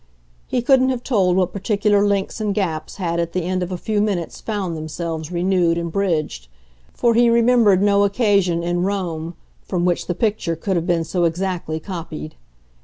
He couldn't have told what particular links and gaps had at the end of a few minutes found themselves renewed and bridged; for he remembered no occasion, in Rome, from which the picture could have been so exactly copied.